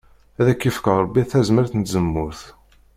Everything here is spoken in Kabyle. Ad k-yefk Ṛebbi tazmart n tzemmurt.